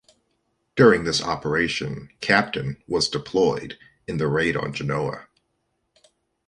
During this operation "Captain" was deployed in the Raid on Genoa.